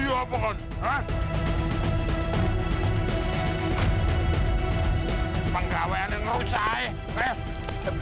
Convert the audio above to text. jangan lupa lagi